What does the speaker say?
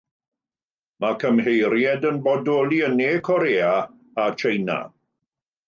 Mae cymheiriaid yn bodoli yn Ne Korea a Tsieina.